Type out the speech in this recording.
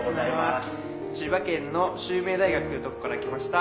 千葉県の秀明大学というとこから来ました